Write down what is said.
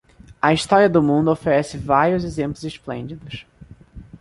A história do mundo oferece vários exemplos esplêndidos.